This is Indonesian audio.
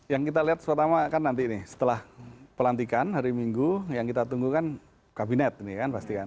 yang kita lihat pertama kan nanti nih setelah pelantikan hari minggu yang kita tunggu kan kabinet ini kan pasti kan